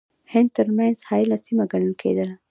هند ترمنځ حایله سیمه ګڼله کېدله.